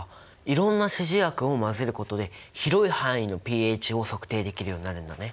いろんな指示薬を混ぜることで広い範囲のｐＨを測定できるようになるんだね。